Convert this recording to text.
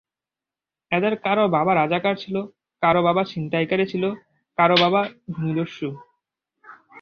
এঁদের কারও বাবা রাজাকার ছিল, কারও বাবা ছিনতাইকারী ছিল, কারও বাবা ভূমিদস্যু।